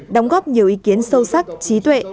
đóng góp nhiều ý kiến sâu sắc trí tuệ